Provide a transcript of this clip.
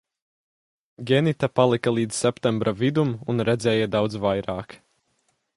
Genita palika līdz septembra vidum un redzēja daudz vairāk.